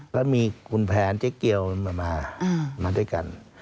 ก็มีคุณแผนเจ๊เกี๊ยวมาด้วยกัน